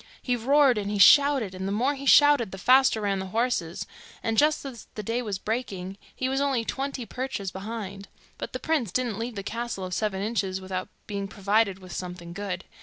He roared and he shouted, and the more he shouted, the faster ran the horses, and just as the day was breaking he was only twenty perches behind. But the prince didn't leave the castle of Seven Inches without being provided with something good.